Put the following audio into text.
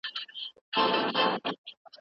ایا ستا مقاله د علمي بورډ لخوا تایید سوي ده؟